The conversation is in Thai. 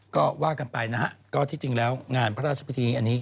ก็ว่ากันไปนะฮะก็ที่จริงแล้วงานพระราชพิธีอันนี้